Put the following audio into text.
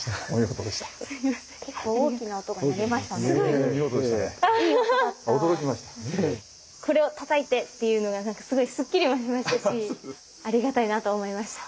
これをたたいてっていうのが何かすごいすっきりもしましたしありがたいなと思いました。